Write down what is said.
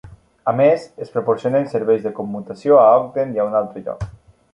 A més, es proporcionen serveis de commutació a Ogden i a un altre lloc.